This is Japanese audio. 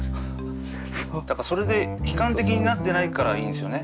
だからそれで悲観的になってないからいいんですよね。